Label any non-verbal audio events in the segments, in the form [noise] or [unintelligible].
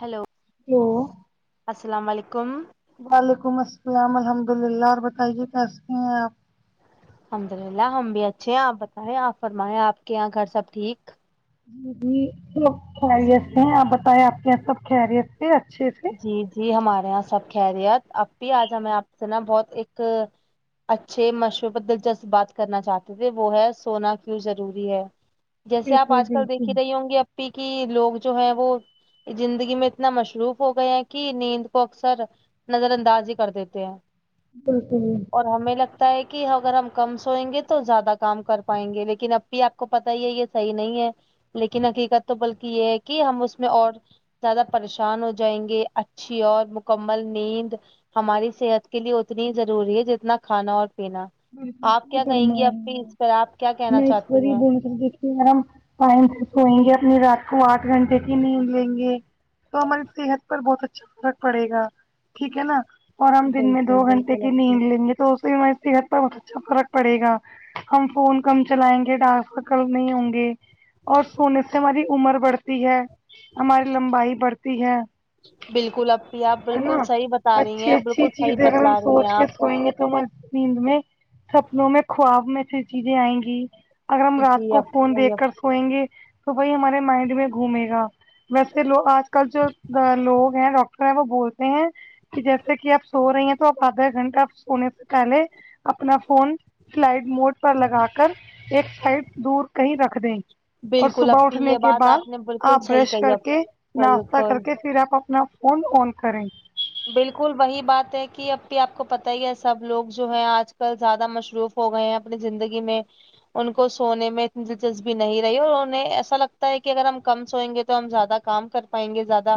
hello hello السلام علیکم وعلیکم السلام الحمد اللہ اور بتائیے کیسے ہیں آپ الحمد للہ ہم بھی اچھے ہیں آپ بتائیں آپ فرمائےیں آپ کے یہاں گھر سب ٹھیک جی جی سب خیریت سے ہیں آپ بتائےیں آپ کے یہاں سب خیریت سے اچھے سے جی جی ہمارے یہاں سب خیریت اب بھی آج ہمیں آپ سے نا بہت ایک اچھے مشہور پر دلچسپ بات کرنا چاہتے تھے وہ ہے سونا کیوں ضروری ہے جیسے آپ بالکل آج کل بالکل دیکھی رہی ہوں گی کہ لوگ جو ہے وہ زندگی میں اتنا مشروف ہو گئے ہیں کہ نیند کو اکثر نظر انداز ہی کر دیتے ہیں بالکل اور ہمیں لگتا ہے کہ اگر ہم کم سوئیں گے تو زیادہ کام کر پائیں گے لیکن اب بھی آپ کو پتا ہی ہے یہ صحیح نہیں ہے لیکن حقیقت تو بلکہ یہ ہے کہ ہم اس میں اور زیادہ پریشان ہو جائیں گے اچھی اور مکمل نیند ہماری صحت کے لیے اتنی ہی ضروری ہے جتنا کھانا اور پینا بالکل آپ سہی کیا کہیں فرما گی رہی اپی اس پر آپ کیا کہنا ہے چاہتی ہیں اپ [unintelligible] ہم ٹائم سے سوئیں گے اپنی رات کو آٹھ گھنٹے کی نیند لیں گے تو ہماری صحت پر بہت اچھا فرق پڑے گا ٹھیک ہے نا اور ہم دن میں دو بالکل گھنٹے بالکل کی نیند اپی لیں گے تو اس سے بھی ہماری صحت پر بہت اچھا فرق پڑے گا ہم فون کم چلائیں گے ڈارک سرکل نہیں ہوگیں اور سونے سے ہماری عمر بڑھتی ہے ہماری لمبائی بڑھتی ہے بالکل اپی آپ ہے بالکل نا صحیح بتا رہی اچھی ہیں بالکل اچھی صحیح چیزیں اگر ہم بتلا رہی سوچ ہیں کے آپ سوئیں گے تو م نیند میں سپنوں میں خواب میں سے چیزیں آئیں گی اگر ہم رات جی کو فون اپی دیکھ کر سوینگیں تو وہی ہمارے مائنڈ میں گھومے گا ویسے لو آج کل جو لوگ ہیں ڈاکٹر ہیں وہ بول کہ جیسے کہ آپ سو رہی ہیں تو آپ آدھا گھنٹہ سونے سے پہلے اپنا فون سلائڈ موڈ پر لگا کر ایک سائڈ دور کہیں رکھ دیں اور بالکل صبح اپی اٹھنے یہ کے بات بعد آپ نے بالکل آپ صحیح برش کہی کر اب کے ناشتہ کر بالکل کے پھر آپ اپنا فون آن کریں بالکل وہی بات ہے کہ آپپی آپ کو پتا ہی ہے سب لوگ جو ہے آج کل زیادہ مصروف ہو گئے ہیں اپنی زندگی میں ان کو سونے میں اتنی دلچسپی نہیں رہی اور انہیں ایسا لگتا ہے کہ اگر ہم کم سوئیں گے تو ہم زیادہ کام کر پائیں گے زیادہ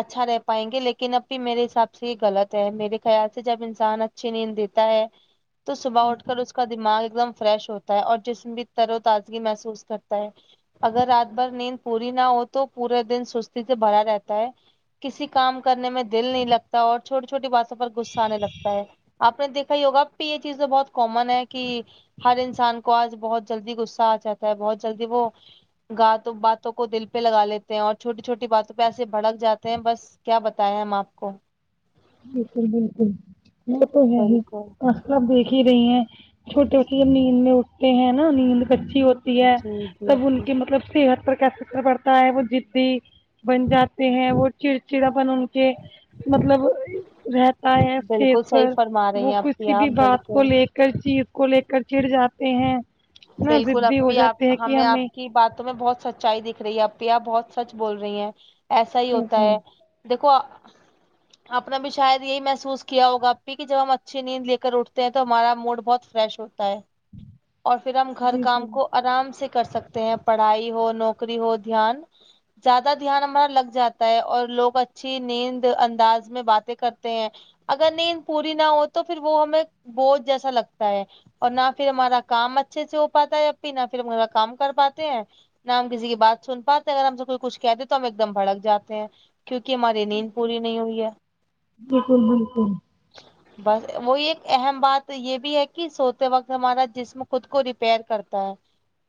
اچھا رہ پائیں گے لیکن اب میرے حساب سے یہ غلط ہے میرے خیال سے جب انسان اچھی نیند دیتا ہے تو صبح اٹھ کر اس کا دماغ ایک دم فریش ہوتا ہے اور جسم بھی تر و تازگی محسوس کرتا ہے اگر رات بھر نیند پوری نہ ہو تو پورے دن سستی سے بھرا رہتا ہے کسی کام کرنے میں دل نہیں لگتا اور چھوٹی چھوٹی باتوں پر غصہ آنے لگتا ہے آپ نے دیکھا ہی ہوگا آپپی یہ چیز بہت کامن ہے کہ ہر انسان کو آج بہت جلدی غصہ آ جاتا ہے بہت جلدی وہ گات باتوں کو دل پہ لگا لیتے ہیں اور چھوٹی چھوٹی باتوں پہ ایسے بھڑک جاتے ہیں بس کیا بتائے ہم آپ کو بالکل بالکل وہ تو ہے ہی بالکل [unintelligible] اص کلب دیکھ ہی رہی ہیں چھوٹے بچے جب نیند میں اٹھتے ہیں نا نیند کچی ہوتی ہے جی جی تب ان اپی کے مطلب صحت پر کیسےکر پڑتا ہے وہ جدی بن جاتے ہیں وہ چڑچڑاپن ان کے مطلب رہ [unintelligible] بالکل اسز صحیح پر فرما رہی وہ ہیں اپی کسی آپ بھی بات کو بالکل لے کرچیز کو لے کر چڑ جاتے ہیں نا بالکل ضدی ہو اپپی بھی آپ جاتے ہیں کہ ہمیں آپ کی باتوں میں بہت سچ اوچائی دکھ رہی ہے ا پیی بہت سچ بول رہی ہیں ایسا ہی ہوتا بالکل ہے دیکھو آپ نے بھی شاید یہی محسوس کیا ہوگا آپ کی کہ جب ہم اچھی نیند لے کر اٹھتے ہیں تو ہمارا موڈ بہت فریش ہوتا ہے اور پھر ہم گھر بالکل کام کو آرام سے کر سکتے ہیں پڑھائی ہو نوکری ہو دھیان زیادہ دھیان ہمارا لگ جاتا ہے اور لوگ اچھی نیند انداز میں باتیں کرتے ہیں اگر نیند پوری نہ ہو تو پھر وہ ہمیں بہت جیسا لگتا ہے اور نہ پھر ہمارا کام اچھے سے ہو پاتا ہے اب بھی نہ پھر ہما کام کر پاتے ہیں ن ہم کسی کی بات سن پاتے ہیں اگر ہم سے کوئی کچھ کہتے تو ہم ایک دم بھڑک جاتے ہیں کیونکہ ہماری نیند پوری نہیں ہوئی ہے بالکل بالکل بس وہی ایک اہم بات یہ بھی ہے کہ سوتے وقت ہمارا جسم خود کو ریپیئر کرتا ہے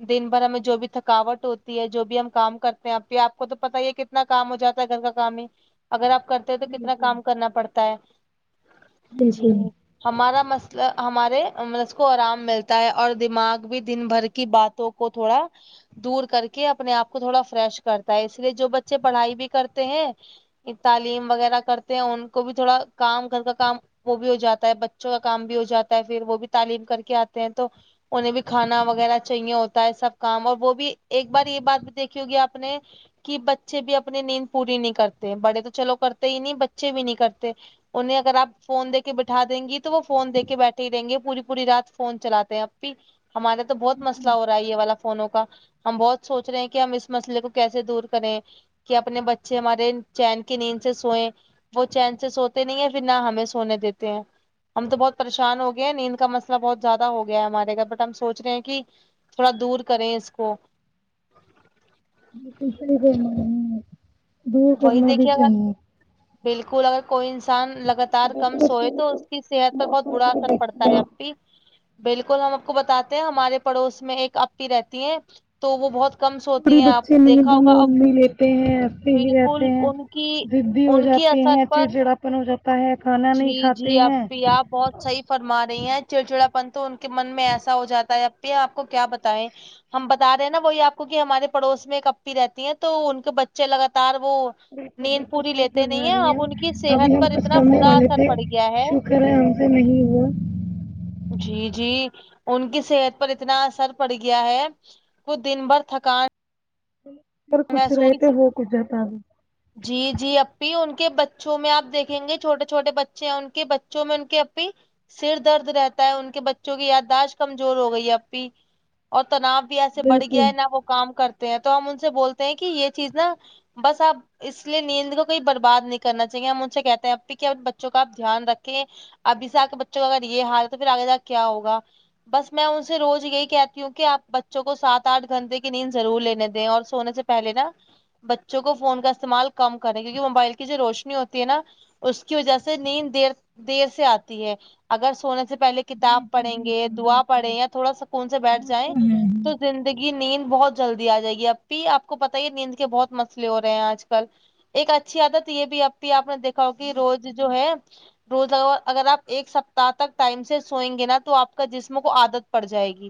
دن بھر ہمیں جو بھی تھکاوٹ ہوتی ہے جو بھی ہم کام کرتے ہیں ایپی آپ کو تو پت ہی ہے ک کتنا کام ہو جاتا ہے گھر کا کام ہی اگر آپ کرتے ہیں تو کتنا بالکل کام کرنا پڑتا ہے جی بالکل ہمارا مسلہ ہمارے م کو آرام ملتا ہے اور دماغ بھی دن بھر کی باتوں کو کو تھوڑا دور کر کے اپنے آپ کو تھوڑا فریش کرتا ہے اس لیے جو بچے پڑھائی بھی کرتے ہیں تعلیم وغیرہ کرتے ہیں ان کو بھی تھوڑا کام گھر کا کام وہ بھی ہو جاتا ہے بچوں کا کام بھی ہو جاتا ہے پھر وہ بھی تعلیم کر کے آتے ہیں تو انہیں بھی کھانا وغیرہ چاہیے ہوتا ہے سب کام اور وہ بھی ایک بار یہ بات بھی دیکھی ہوگی آپ نے کہ بچے بھی اپنی نیند پوری نہیں کرتے بڑے تو چلو کرتے ہی نہیں بچے بھی نہیں کرتے انہیں اگر آ فون دی کے بیٹھا دیں گی تو وہ فون دے کے بیٹھے ہی رہیں گے پوری پوری رات فون چلاتے ہیں ایپی ہمارے تو بہت مسئلہ ہو رہا ہے یہ والا فونوں کا ہم بہت سوچ رہے ہیں کہ ہم اس مسئلے کو کیسے دور کریں کہ اپنے بچے ہمارے چین کی نیند سے سوئے وہ چین سے سوتے نہیں ہے پھر نہ ہمیں سونے دیتے ہیں ہم تو بہت پریشان ہو گیا ہیں نیند کا مسئلہ بہت زیادہ ہو گیا ہے ہمارے گھر بٹ ہم سوچ رہے ہیں کہ تھوڑا دور کریں اس کو ج کش م [unintelligible] وہی دیکھیے اگر بالکل اگر کوئی انسان لگت تار کم دیکھیے سوئے میں تو مطلب اس کی صحت پر بہت ساری برا چیزیں اثر پڑتا دیکھیے ہے اب آپ پی بالکل ہم آپ کو بتاتے ہیں ہمارے پڑوس میں ایک اپی رہتی ہیں تو وہ بہت کم سوتی تھوڑی ہیں آپ بچے نیند دیکھا ہوگا اب نوند نہیں لیتے ایسے ہی بالکل رہتے ہیں ان کی زدی ہو ان کی جاتی اثر ہیں پر چڑچڑاپن ہو جاتا ہے کھانا جی نہیں جی کھاتے ہیں اپی آپ بہت صح فرما رہی ہیں چڑچڑا پن تو ان کے من میں ایسا ہو جاتا ہے اب بھی آپ کو کیا بتائیں ہم بتا رہے ہیں نا وہی آپ کو کہ ہمارے پڑوس میں ایک اپپی رہتی ہیں تو ان کے بچے لگاتار وہ بالکل نیند بالکل پوری صحیح لیتے نہیں ہیں اب ان کی صحت پر اتنا سنے برا والے اثر تھے پڑ گیا شکر ہے ہم سے نہیں ہوا جی جی ان کی صحت پر اتنا اثر پڑ گیا ہے وہ دن بھر تھکان پر کچھ رہے تو محسوس ہو کھ [unintelligible] جی جی اپی ان کے بچوں میں آ دیکھیں گے چھوٹے چھوٹے بچے ہیں ان کے بچوں میں ان کے اپی سر درد رہتا ہے ان کے بچوں کی یادداشت کمزور ہو گئی ہے اپی اور تناؤ ایسے بڑھ گیا بالکل ہے نہ وہ کام کرتے ہیں تو ہم ان سے بولتے ہیں کہ یہ چیز نا بس آپ اس لیے نیند کو کوئی برباد نہیں کرنا چاہیے ہم مجھ سے کہتے ہیں ایپی کہ اپنے بچوں کا آپ دھیان رکھیں ابھی سے آپ کے بچوں کو اگر یہ ہال تو پھر آگے جاکے کیا ہوگا بس میں ان سے روز یہی کہتی ہوں کہ آپ بچوں کو سات اٹھ گھنٹے کی نیند ضرور لینے دیں اور سونے سے پہلے نا بچوں کو فون کا استعمال کم کریں کیونکہ موبائل کی جو روشنی ہوتی ہے نا اس کی وجہ سے نیند دیر دیر سے آتی ہے اگر سونے سے پہلے کتاب پڑیں گے دعا پڑے یا تھوڑا سکون سے بیٹھ جائیں تو زندگی نیند بہت جلدی آ جائے گی ایپی آپ کو کو پت یہ نیند کے بہت مسلئے ہو رہے ہیں آج کل ایک اچھی عادت یہ بھی اب بھی اپی نے دیکھا ہو کہ روز جو ہے روزہ اگر آپ ایک سپتاہ تک ٹائم سے سوئیں گے نا تو آپ کا جسم کو عادت پڑ جائے گی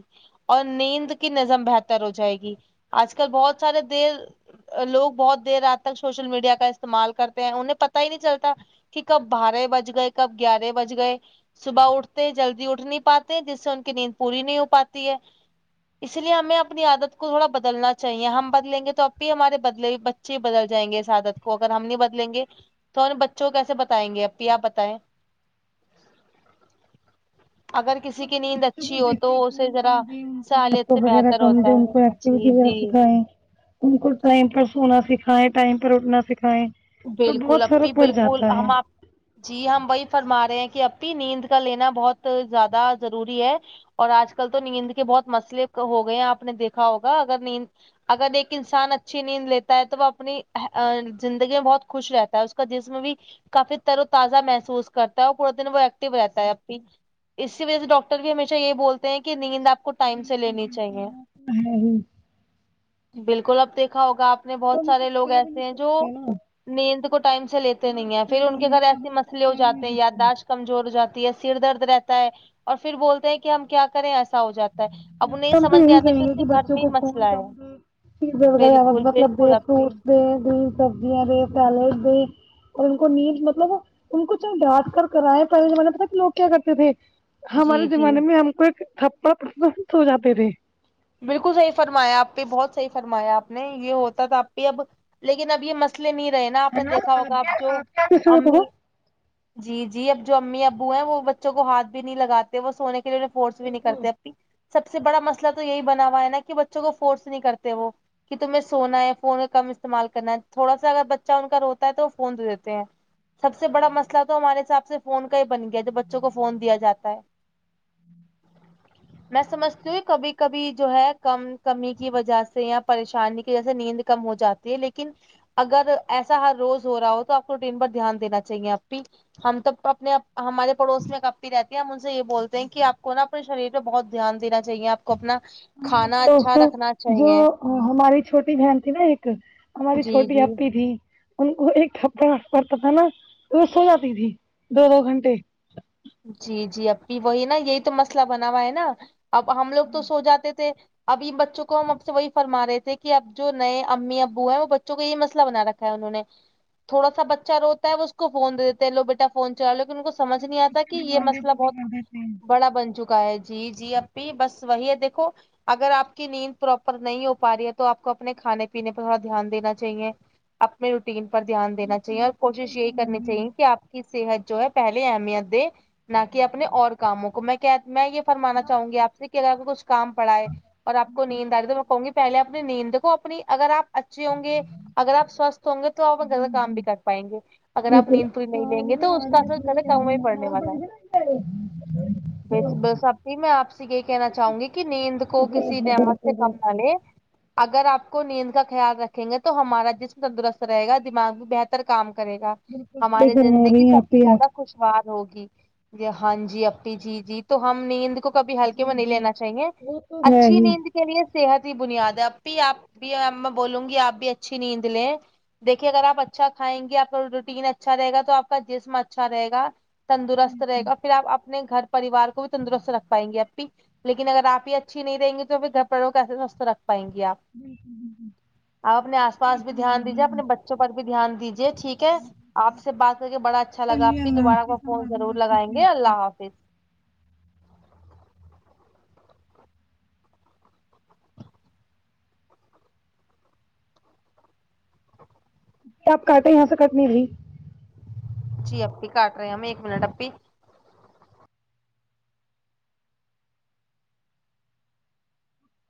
اور نیند کی نظم بہتر ہو جائے گی آج کل بہت سارے دیر لوگ بہت دیر رات تک سوشل میڈیا کا استعمال کرتے ہیں انہیں پتا ہی نہیں چلتا کہ کب بارہ بج گئے کب گیارہ بج گئے صبح اٹھتے جلدی اٹھ نہیں پاتے جس سے ان کی نیند پوری نہیں ہو پاتی ہے اس لیے ہمیں اپنی عادت کو تھوڑا بدلنا چاہیے ہم بدلیں گے تو آپی ہمارے بدلے بچے بدل جائیں گے اس عادت کو اگر ہم نہیں بدلیں گے تو ہم بچوں کیسے بتائیں گے ایپی اپ بتائے اگر ہم کسی کی اپنے نیند بچوں کو اچھی ہو تو دیکھیے اسے فون ذرا کم دیں سہالت سے بہتر ہوتا ہے جی سیدھی راہ جی سکھائیں ان کو ٹائم پر سونا سکھائے ٹائم پر اٹنا سکھائائے بالکل ایپی بالکل ہم آپ جی ہم وہی فرما رہے ہیں کہ ایپی نیند کا لینا بہت زیادہ ضروری ہے اور آج کل تو نیند کے بہت مسئل ہو گئے ہیں آپ نے دیکھا ہوگا اگر نیند اگر ایک انسان اچھی نیند لیتا ہے تو وہ اپنی میں بہت خوش رہتا ہے اس کا جسم بھی کافی تر و تازہ محسوس کرتا ہے اور پورا دن وہ ایکٹو رہتا ہے ایپی اسی وجہ سے ڈاکٹر بھی ہمیشہ یہ بولتے ہیں کہ نیند آپ کو ٹائم سے لینی چاہیے ہے ہی بالکل اب دیکھا ہوگا آپ نے بہت اب ہم سارے کچھ لوگ کہہ بھی نہیں ایسے ہیں جو سکتے نا نیند کو ٹائم سے لیتے بات نہیں ہیں پھر ان ساری کے ہے گھر اب ایسے ہم کچھ مسئلے ہو کہہ بھی نہیں جاتے ہیں سکتے یاداشت کمزور ہو جاتی ہے سر درد رہتا ہے اور پھر بولتے ہیں کہ ہم کیا کریں ایسا ہو جاتا ہے اب انہیں تو سمجھ یہ نہیں ہی آتا کہیں ان گے کہ کے گھر بچوں میں ہی کو مسئلہ فون کم ہے چیز وغیر بالکل مطلب بالکل اپی فروٹس دے ہری سبزیا دے سلاد دے اور ان کو نیند مطلب ان کو چند ڈھانٹ کر کراائے پہلے زمانہ تھا کہ لوگ کیا کرتے تھے جی ہمارے جی زمانے میں ہم کو ایک تھپا ہو [unintelligible] جاتے تھے بالکل صحیح فرمایا آپی بہت صحیح فرمایا آپ نے یہ ہوتا تھا آپی اب لیکن اب یہ اس لیے نہیں رہے نا آپ ہے نے دیکھا ہوگا بھی آپ جو کیا سوت ہو امی جی جی اب جو امی ابو ہیں وہ بچوں کو ہاتھ بھی نہیں لگاتے وہ سونے کے لیے فورس بھی نہیں کرتے اپی سب سے بڑا مسئلہ تو یہی بنا ہوا ہے نا کہ بچوں کو فورس نہیں کرتے وہ کہ تمہیں سونا ہے فون کا کم استعمال کرنا ہے تھوڑا سا اگر بچہ ان کا روتا ہے تو وہ فون دے دیتے ہیں سب سے بڑا مسئلہ تو ہمارے حساب سے فون کا ہی بن گیا ہے جو بچوں کو فون دیا جاتا ہے میں سمجھتی ہوں کبھی کبھی جو ہے کم کمی کی وجہ سے یا پریشانی کی وجہ سے نیند کم ہو جاتی ہے لیکن اگر ایسا ہر روز ہو رہا ہو تو آپ کو روٹین پر دھیان دینا چاہیے آپ ہم تو اپنے ہمارے پڑوس میں اپی رہتی ہیں ہم ان سے یہ بولتے ہیں کہ آپ کو نا نے شریر پہ بہت دھیان دین چاہیے کو اپنا ہمارے کھانا اچھا تو رکھنا جو چاہیے ہماری چھوٹی بہن تھی نا ایک ہماری جی چھوٹی جی آپی تھی ان کو ایک ھپا پڑتا تھا نا وہ سو جاتی تھی دو دو گھنٹے جی جی اب بھی وہی نا یہی تو مسئلہ بنا ہوا ہے نا اب ہم لوگ تو سو جاتے تھے ابھی بچوں کو ہم اب سے وہی فرما رہے تھے کہ اب جو نئے امی ابو ہیں وہ بچوں کو یہ مسئلہ بنا رکھا انہوں نے تھوڈا سا بچہ روتا ہے وہ اس کو فون د دیتے لو بیٹا فون چلا لو ان کو سمجھ نہیں آتا کہ یہ مسئلہ بہت بڑا بن چکا ہے جی جی آپی بس وہی ہے دیکھو اگر آپ کی نیند پراپر نہیں ہو پا رہی ہے تو آپ کو اپنے کھانے پینے پہ تھوڑا دھیان دینا چاہیے اپنے روٹین پر دھیان دینا چاہیے اور کوشش یہی کرنی چاہیے کہ آپ صحت جو ہے پہلے اہمیت دے نہ کہ اپنے اور کاموں کو میں کیا میں یہ فرمانا چاہوں گی آپ سے کہ اگر کچھ کام پڑ ہے اور آپ کو نیند آئے تو گی پہلے اپنی نیند د کو اپنی اگر آپ اچھے ہوں گے اگر آپ سوستھ ہوں گے تو آپنا کام بھی کر پائیں گے اگر آپ بالکل نیند پوری نہیں لیں گے تو اس کا اثر زیادہ کم ہی پڑنے والا ہے بس بس اپھی میں آپ سے یہ کہنا چاہوں گی کہ نیند کو جی کسی جی نعمت سے بالکل کم نہ لے اگر آپ کو نیند کا خیال رکھیں گے تو ہمارا جسم تندرست رہے گا دماغ بھی بہتر کام کرے گا صحیح ہمارے فرما زندگی رہی ہیں سب آپ سے ہی زیادہ آپ خوشوار ہوگی ج ہاں جی اپی جی جی تو ہم نیند کو کبھی ہلکے میں نہیں لینا چاہیے وہ تو ہے اچھی ہی نیند اس کے لیے صحت ہی بنیاد ہے اب پھی آپ بھی میں بولوں گی آپ بھی اچھی نیند لیں دیکھیے اگر آپ اچھا کھائیں گے آپ کا روٹین اچھا رہےا تو آپ کا جسم اچھا رہےگا تندروست رہے گا پھر آپ اپنے گھر پریوار کو بھی تندرست رکھ پائیں گے اب اپی لیکن اگر آپ یہ اچھی نہیں رہیں گی تو پھر گھر پروں کو کیسے سوست رکھ پائیں گی آپ اپنے آس پاس بھی دھیان دیجیے اپنے بچے بچے ں پر بھی دھیان دیجیے ٹھیک ہے آپ سے بات کر کے بڑا اچھا لگا آپ بھی دوبارہ کو فون ضرور لگائیں گے اللہ حافظ تو آپ کاٹیں یہاں سے کٹنی بھی جی آپی کاٹ رہے ہیں میں ایک منٹ اپپی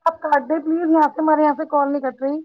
آپ کا دے پلیز یہاںس سے مارے یہاں سے کال نہیں کٹ رہی